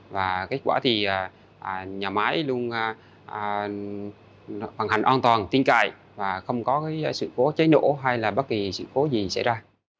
và kết quả thì nhà máy luôn vận hành an toàn tin cậy và không có sự cố cháy nổ hay là bất kỳ sự cố gì xảy ra